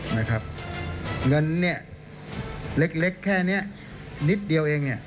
นะครับเงินเนี่ยเล็กแค่นี้นิดเดียวเองเนี่ย